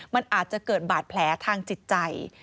มันอาจจะเกิดบาดแผลทางจิตใจ